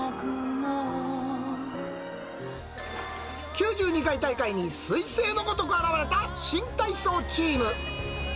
９２回大会に彗星のごとく現れた新体操チーム。